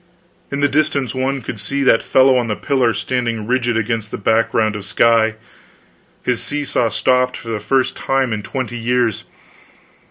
In the distance one could see that fellow on the pillar standing rigid against the background of sky, his seesaw stopped for the first time in twenty years.